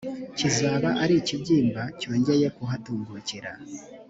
kizaba ari ikibyimba cyongeye kuhatungukira